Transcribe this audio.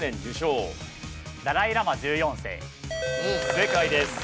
正解です。